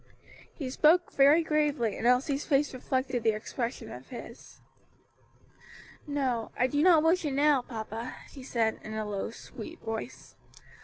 He spoke very gravely and Elsie's face reflected the expression of his. "No, I do not wish it now, papa," she said, in a low, sweet voice.